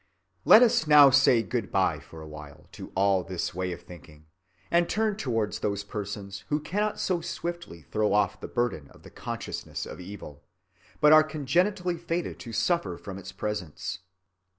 ‐‐‐‐‐‐‐‐‐‐‐‐‐‐‐‐‐‐‐‐‐‐‐‐‐‐‐‐‐‐‐‐‐‐‐‐‐ Let us now say good‐by for a while to all this way of thinking, and turn towards those persons who cannot so swiftly throw off the burden of the consciousness of evil, but are congenitally fated to suffer from its presence.